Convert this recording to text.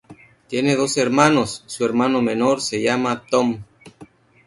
Tiene dos hermanos, su hermano menor se llama Tom.